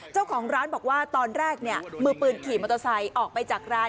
เจ้าของร้านบอกว่าตอนแรกมือปืนขี่มอเตอร์ไซค์ออกไปจากร้าน